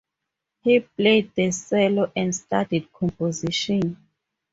He played the cello and studied composition.